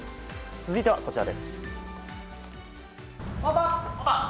続いて、こちらです。